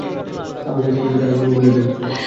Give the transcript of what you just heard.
আমাকে এক রুম থেকে আরেক রুম ঘুরিয়ে দেখাচ্ছিল।